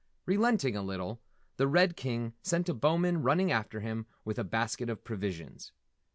Relenting a little, the Red King sent a Bowman running after him with a basket of provisions.